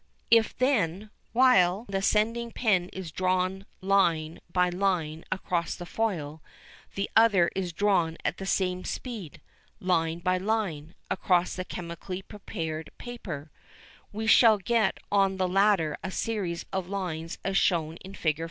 If, then, while the sending pen is drawn line by line across the foil, the other is drawn at the same speed, line by line, across the chemically prepared paper, we shall get on the latter a series of lines as shown in Fig.